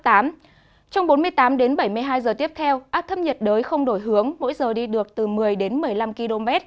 trong bốn mươi tám đến bảy mươi hai giờ tiếp theo áp thấp nhiệt đới không đổi hướng mỗi giờ đi được từ một mươi đến một mươi năm km